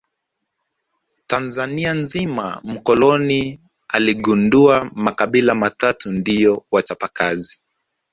Tanzania nzima mkoloni aligundua makabila matatu ndio wachapa kazi